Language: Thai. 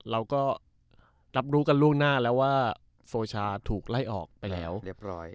เราก็รับรู้กันล่วงหน้าแล้วว่าโฟชาถูกไล่ออกไปแล้วเรียบร้อย